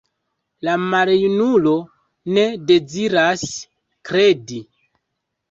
La maljunulo ne deziras kredi.